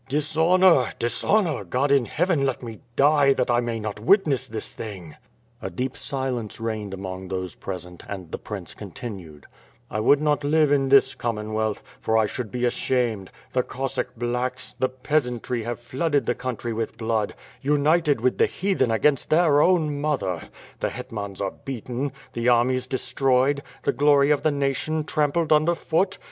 "Dishonor, dishonor, God in Heaven, let me die, that I may not witness this thing." A deep silence reigned among those present and the Prince continued: "I would not live in this Commonwealth, for I should be ashamed. The Cossack 'blacks,' the peasantry, have flooded the country with blood; united with the Heathen against their own mother. The hetmans are beaten, the armies de stroyed, the glory of the nation trampled underfoot.